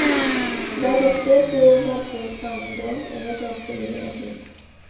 But if they feel that way, fine, don't ever talk to me again.